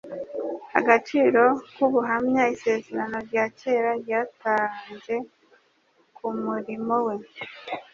agaciro k'ubuhamya Isezerano rya kera ryatanze ku murimo we.